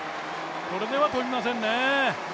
これでは飛びませんね